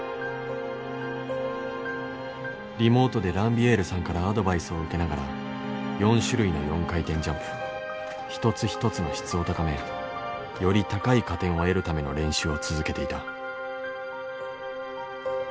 リモートでランビエールさんからアドバイスを受けながら４種類の４回転ジャンプ一つ一つの質を高めより高い加点を得るための練習を続けていた。